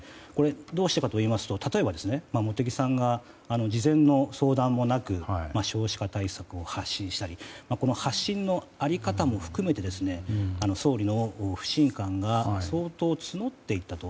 どうしてかといいますと例えば、茂木さんが事前の相談もなく少子化対策を発信したりこの発信の在り方も含めて総理の不信感が相当募っていたと。